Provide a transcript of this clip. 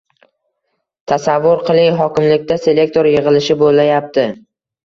Tasavvur qiling: hokimlikda selektor yig‘ilishi bo‘layapti.